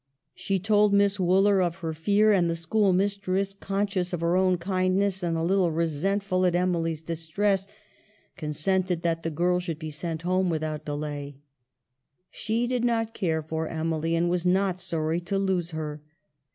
She told Miss Wooler of her fear, and the schoolmistress, con scious of her own kindness and a little resentful at Emily's distress, consented that the girl should be sent home without delay. She did not care for Emily, and was not sorry to lose her.